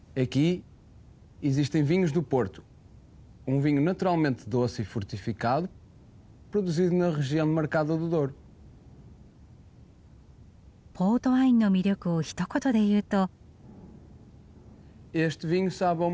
ポートワインの魅力をひと言で言うと？